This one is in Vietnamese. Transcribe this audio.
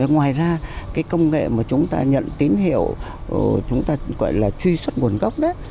ngoài ra cái công nghệ mà chúng ta nhận tín hiệu chúng ta gọi là truy xuất nguồn gốc đấy